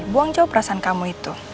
buang coba perasaan kamu itu